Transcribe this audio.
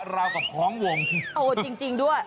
แล้วกับของวงโอ้โฮจริงด้วย